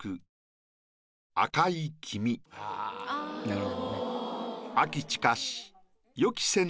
なるほどね。